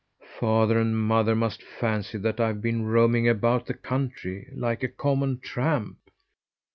"Father and mother must fancy that I've been roaming about the country, like a common tramp?"